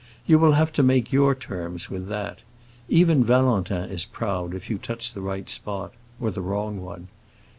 You will have to make your terms with that. Even Valentin is proud, if you touch the right spot—or the wrong one.